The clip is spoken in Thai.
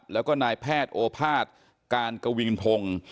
แล้วก็นายแพทย์โอภาษย์การกวินพงศ์